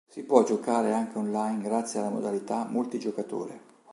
Si può giocare anche online grazie alla modalità multigiocatore.